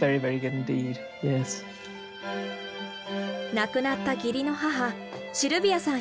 亡くなった義理の母シルビアさん